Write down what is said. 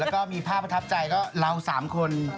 แล้วก็มีภาพประทับใจก็เรา๓คน